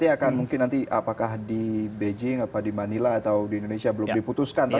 akan mungkin apakah di beijing atau di manila atau di indonesia belom diputuskan